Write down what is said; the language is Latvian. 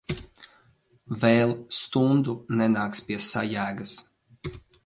Vēl stundu nenāks pie sajēgas.